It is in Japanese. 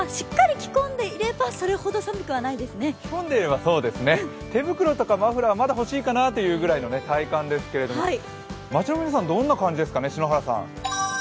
着込んでいれば、そうですね手袋とかマフラーはまだ欲しいかなというくらいの体感ですけれども街の皆さん、どんな感じですかね、篠原さん。